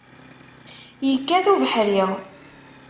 Yekkat ubeḥri.